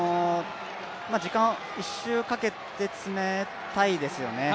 １周かけて詰めたいですよね